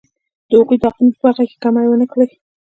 د هغوی د حقونو په برخه کې کمی ونه کړي.